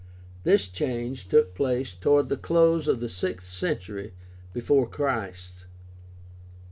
This change took place towards the close of the sixth century before Christ.